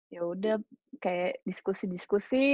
yaudah kayak diskusi diskusi